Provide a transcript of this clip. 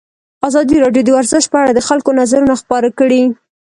ازادي راډیو د ورزش په اړه د خلکو نظرونه خپاره کړي.